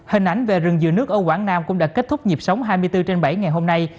hình ảnh về rừng dừa nước ở quảng nam cũng đã kết thúc nhịp sống hai mươi bốn trên bảy ngày hôm nay